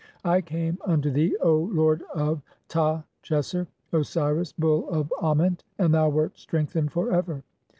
(12) I came unto thee, O lord of Ta tcheser, Osiris, "Bull of Ament, and thou wert strengthened for ever.